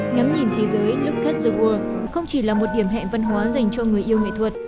ngắm nhìn thế giới lucas the world không chỉ là một điểm hẹn văn hóa dành cho người yêu nghệ thuật